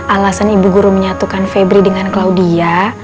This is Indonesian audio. alasan ibu guru menyatukan febri dengan claudia